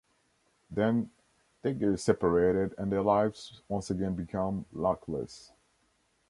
Then they get separated and their lives once again become luckless.